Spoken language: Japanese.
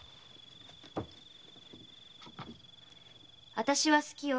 あたしは好きよ。